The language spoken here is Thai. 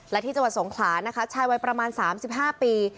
และที่จังหวัดสงขลานะคะชายวัยประมาณ๓๕ปี